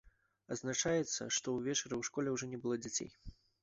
Адзначаецца, што ўвечары ў школе ўжо не было дзяцей.